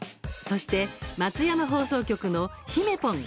そして、松山放送局の「ひめポン！」。